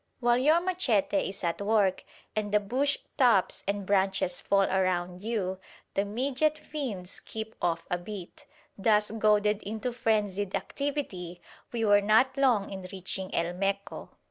While your machete is at work and the bush tops and branches fall around you, the midget fiends keep off a bit. Thus goaded into frenzied activity, we were not long in reaching El Meco.